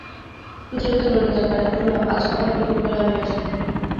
সুচরিতা ললিতার কানে কানে কহিল, আজ আবার দুপুরবেলা আমি আসব।